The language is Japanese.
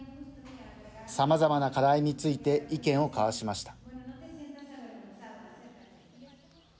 さまざまな課題について意見を交わしました。